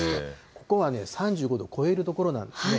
ここはね、３５度を超える所なんですね。